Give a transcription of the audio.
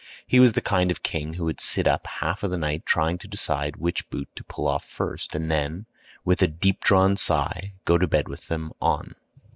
He was the kind of king who would sit up half of the night trying to decide which boot to pull off first, and then, with a deep drawn sigh, go to bed with them on.